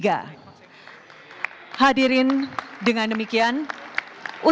kami dapat penggunaan rencana